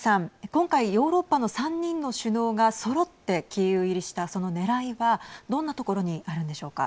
今回ヨーロッパの３人の首脳がそろってキーウ入りしたそのねらいはどんなところにあるんでしょうか。